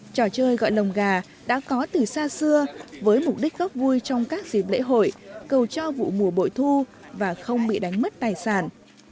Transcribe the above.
trò chơi gọi lồng gà đã có từ xa xưa với mục đích gốc vui trong các dịp lễ hội cầu cho vụ mùa bội thu và không bị đánh mất tài sản